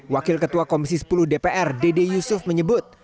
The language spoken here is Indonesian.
wakil ketua komisi sepuluh dpr dede yusuf menyebut